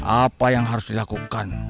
apa yang harus dilakukan